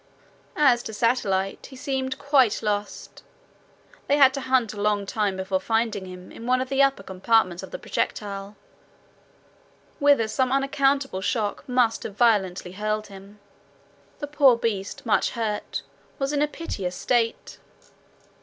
As to Satellite, he seemed quite lost. They had to hunt a long time before finding him in one of the upper compartments of the projectile, whither some unaccountable shock must have violently hurled him. The poor beast, much hurt, was in a piteous state.